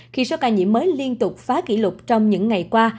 khi số ca nhiễm mới liên tục phá kỷ lục trong những ngày qua